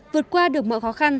vượt qua được một trường học tập